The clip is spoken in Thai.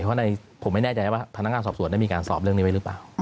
เพราะผมไม่แน่ใจว่าพนักงานสอบสวนได้มีการสอบเรื่องนี้ไว้หรือเปล่า